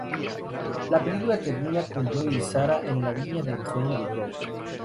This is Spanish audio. La película termina con Joe y Sara en la viña de ensueño de Joe.